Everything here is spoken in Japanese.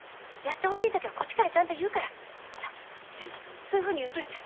そういうふうに言っといて。